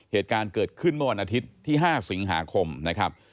เหตุการณ์เกิดขึ้นเมื่อวันอาทิตย์ที่๕สิงหาคมนะครับ